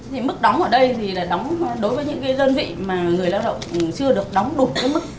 thì mức đóng ở đây là đối với những dân vị mà người lao động chưa được đóng đủ mức